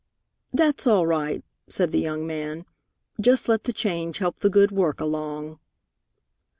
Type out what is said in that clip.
"That's all right," said the young man. "Just let the change help the good work along."